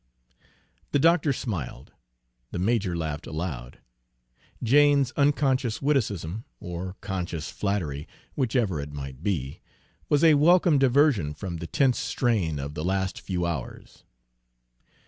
The doctor smiled. The major laughed aloud. Jane's unconscious witticism, or conscious flattery, whichever it might be, was a welcome diversion from the tense strain of the last few hours.